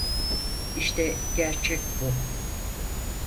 İşte gerçek bu.